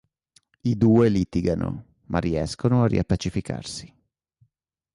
I due litigano, ma riescono a riappacificarsi.